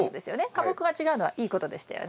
科目が違うのはいいことでしたよね。